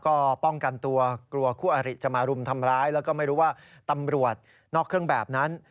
ก็ป้องกันตัวกลัวกลัวคู่อริจะมารุมทำร้ายแล้วก็ไม่รู้ว่าตำรวจนอกเครื่องแบบนั้น